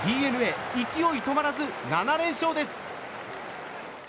ＤｅＮＡ勢い止まらず７連勝です。